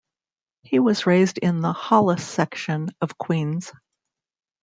He was raised in the Hollis section of Queens.